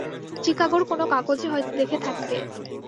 চিকাগোর কোন কাগজে হয়তো দেখে থাকবে।